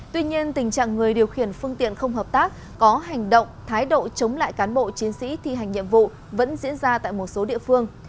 tuy nhiên tình trạng người điều khiển phương tiện không hợp tác có hành động thái độ chống lại cán bộ chiến sĩ thi hành nhiệm vụ vẫn diễn ra tại một số địa phương